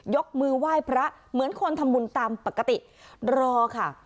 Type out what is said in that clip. ยกมือไหว้พระเหมือนคนทำบุญตามปกติรอค่ะ